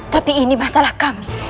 tapi ini masalah kami